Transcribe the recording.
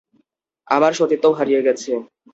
আমার সতীত্বও হারিয়ে গেছে!